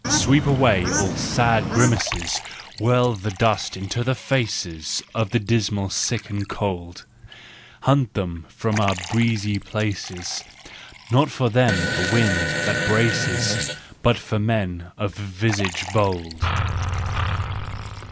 Sweep away all sad grimaces, Whirl the dust into the faces Of the dismal sick and cold! Hunt them from our breezy places, Not for them the wind that braces, But for men of visage bold.